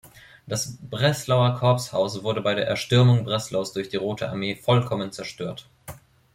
Das Breslauer Corpshaus wurde bei der Erstürmung Breslaus durch die Rote Armee vollkommen zerstört.